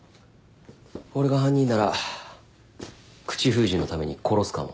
俺が犯人なら口封じのために殺すかも。